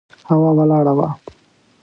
هوا ولاړه وه.